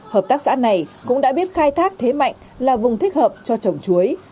hợp tác xã này cũng đã biết khai thác thế mạnh là vùng thích hợp cho trồng chuối